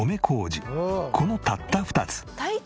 このたった２つ。